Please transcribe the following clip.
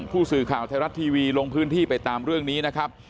ผู้สื่อข่าวไทยรัฐทีวีลงพื้นที่ไปตามเรื่องนี้นะครับ